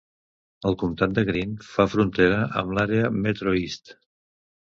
El comtat de Greene fa frontera amb l'àrea Metro East.